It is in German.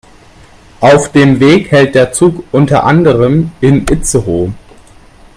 Auf dem Weg hält der Zug unter anderem in Itzehoe.